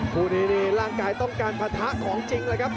พูดดีร่างกายต้องการพันธาของจริงเลยครับ